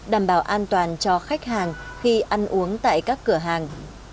đảm bảo an toàn cho khách hàng khi ăn uống tại các cửa hàng